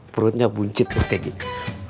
perutnya buncit tuh kayak gini